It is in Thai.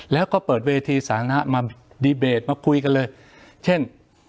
แล้วก็เปิดเวทีสาธารณะมาดีเบตมาคุยกันเลยเช่น